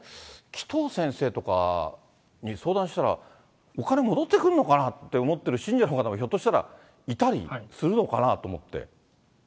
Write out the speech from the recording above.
紀藤先生とかに相談したら、お金戻ってくるのかなって思ってる信者の方、ひょっとしたらいたりするのかなって思って。